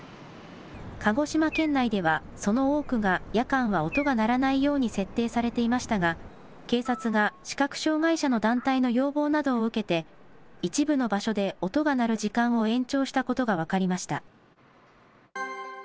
鹿児島県内では、その多くが夜間は音が鳴らないように設定されていましたが、警察が視覚障害者の団体の要望などを受けて、一部の場所で音が鳴る時間を延長したことが分かりました。